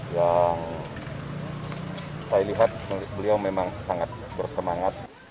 yang saya lihat beliau memang sangat bersemangat